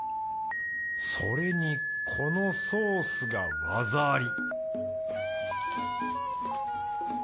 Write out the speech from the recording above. それにこのソースが技あり！